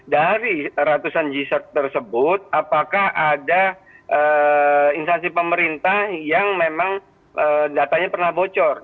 dari ratusan g cert tersebut apakah ada instansi pemerintah yang memang datanya pernah bocor